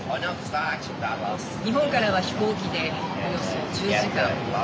日本からは飛行機でおよそ１０時間。